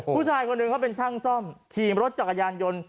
ผู้ชายคนหนึ่งเขาเป็นช่างซ่อมขี่รถจักรยานยนต์